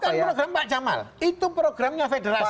bukan program pak jamal itu programnya federasi